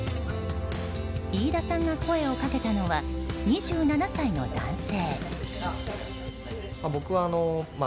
飯田さんが声をかけたのは２７歳の男性。